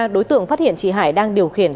đối tượng phát hiện chị hải đang điều khiển